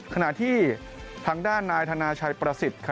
ขณะที่ทางด้านนายธนาชัยประสิทธิ์